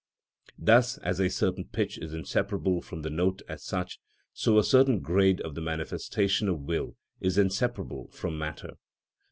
Thus, as a certain pitch is inseparable from the note as such, so a certain grade of the manifestation of will is inseparable from matter.